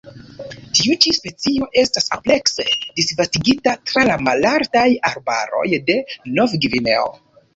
Tiu ĉi specio estas amplekse disvastigita tra la malaltaj arbaroj de Novgvineo.